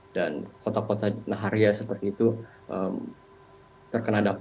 dan kota kota di denaharia seperti itu terkena dampaknya